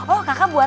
oh kakak buat